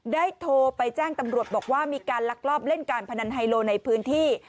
โทรไปแจ้งตำรวจบอกว่ามีการลักลอบเล่นการพนันไฮโลในพื้นที่